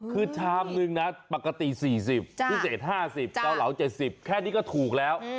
คือชามนึงนะปกติ๔๐พิเศษ๕๐เกาเหลา๗๐แค่นี้ก็ถูกแล้ว